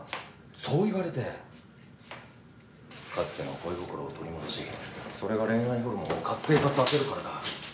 そう言われてかつての恋心を取り戻しそれが恋愛ホルモンを活性化させるからだ。